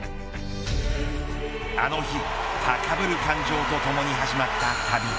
あの日高ぶる感情とともに始まった旅。